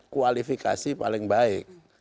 kualifikasi paling baik